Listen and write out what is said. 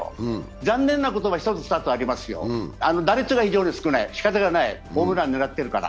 残念なことは１つ２つありますよ、打率が非常に少ない、しかたがないホームラン狙ってるから。